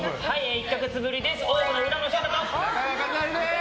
１か月ぶりです。